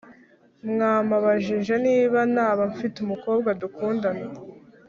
mwamabajije niba naba mfite umukobwa dukundana